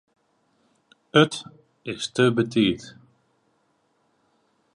It is te betiid.